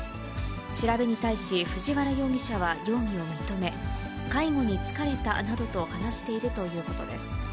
調べに対し、藤原容疑者は容疑を認め、介護に疲れたなどと話しているということです。